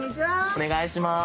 お願いします。